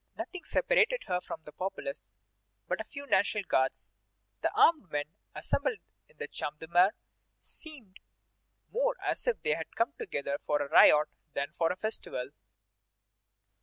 Nothing separated her from the populace but a few National Guards; the armed men assembled in the Champ de Mars seemed more as if they had come together for a riot than for a festival."